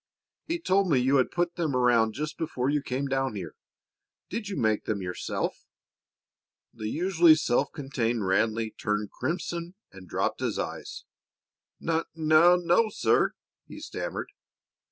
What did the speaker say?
He told me you had put them around just before you came down here. Did you make them yourself?" The usually self contained Ranleigh turned crimson and dropped his eyes. "N no, sir," he stammered.